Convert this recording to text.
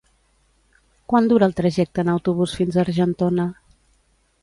Quant dura el trajecte en autobús fins a Argentona?